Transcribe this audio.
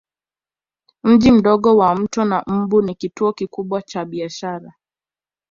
Mji mdogo wa Mto wa Mbu ni kituo kikubwa cha biashara